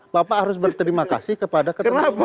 bapak harus berterima kasih kepada ketua umum